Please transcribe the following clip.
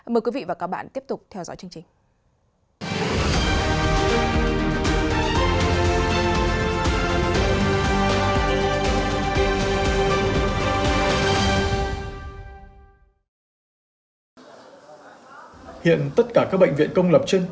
mời quý vị và các bạn tiếp tục theo dõi chương trình